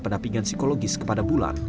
penampingan psikologis kepada bulan